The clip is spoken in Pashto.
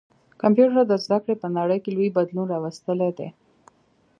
کمپيوټر د زده کړي په نړۍ کي لوی بدلون راوستلی دی.